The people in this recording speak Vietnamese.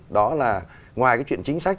đó là ngoài cái chuyện chính sách